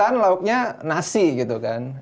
kan lauknya nasi gitu kan